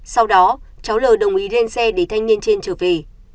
sau đó cháu l đồng ý lên xe để thanh niên trên trở về